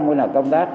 với công tác